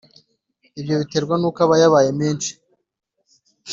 Ibyo biterwa n’uko aba yabaye menshi